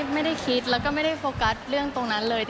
ไม่ได้คิดแล้วก็ไม่ได้โฟกัสเรื่องตรงนั้นเลย